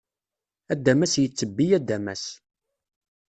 Adamas yettebbi adamas.